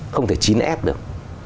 không thể chín ép được